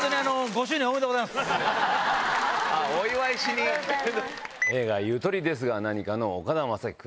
お祝いしに⁉映画『ゆとりですがなにか』の岡田将生君